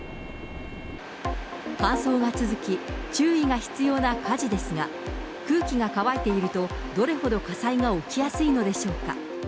乾燥が続き、注意が必要な火事ですが、空気が乾いていると、どれほど火災が起きやすいのでしょうか。